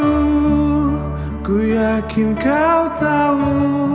aku yakin kau tahu